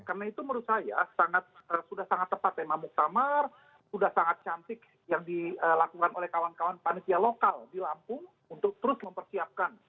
karena itu menurut saya sudah sangat tepat tema muktamar sudah sangat cantik yang dilakukan oleh kawan kawan panitia lokal di lampung untuk terus mempersiapkan